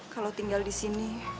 kalau tinggal disini